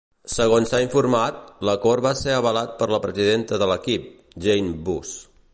Segons s'ha informat, l'acord va ser avalat per la presidenta de l'equip, Jeanie Buss.